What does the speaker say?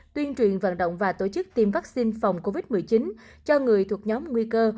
tuyên truyền vận động và tổ chức tiêm vaccine phòng covid một mươi chín cho người thuộc nhóm nguy cơ